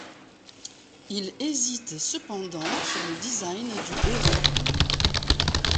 Il hésite cependant sur le design du héros.